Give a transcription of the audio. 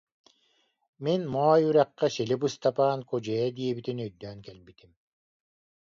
Мин Моой Үрэххэ Силип Ыстапаан Кудьайа диэбитин өйдөөн кэлбитим